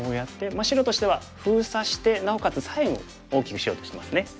まあ白としては封鎖してなおかつ左辺を大きくしようとしてますね。